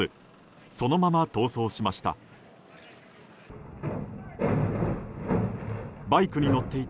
そのまま逃走しました。